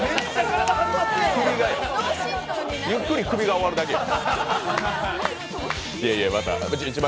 ゆっくり首が終わるだけよ。